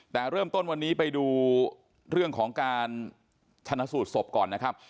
แต่เริ่มต้นวันนี้ไปดูเรื่องของการชนะสูตรศพก่อนนะครับ